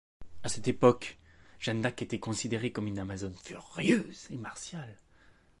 À cette époque, Jeanne d'Arc était considérée comme une amazone furieuse et martiale.